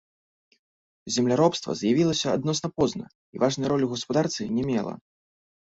Земляробства з'явілася адносна позна і важнай ролі ў гаспадарцы не мела.